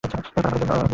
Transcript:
পারাপারের জন্য আছে ঘাট।